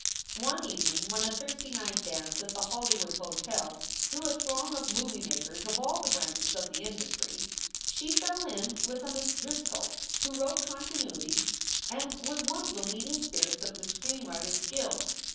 One evening when a Thursday night dance at the Holly wood Hotel drew a throng of movie makers of all the branches of the industry, she fell in with a Miss Driscoll, who wrote continuities and was one of the leading spirits of the Screen Writers Guild.